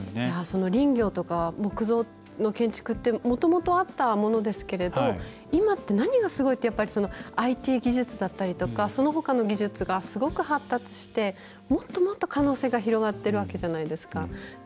林業とか木造の建築ってもともとあったものですけど今って何がすごいってＩＴ技術だったりとかそのほかの技術がすごく発達してもっともっと可能性が広がってるわけじゃないですか。